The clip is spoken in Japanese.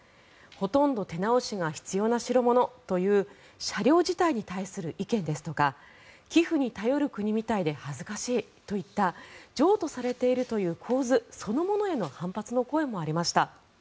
ほとんど手直しが必要な代物という車両自体に対する意見ですとか寄付に頼る国みたいで恥ずかしいといった譲渡されているという構図そのものへの反発の声もありました。